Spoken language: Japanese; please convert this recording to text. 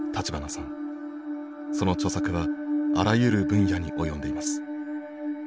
その著作はあらゆる分野に及んでいます。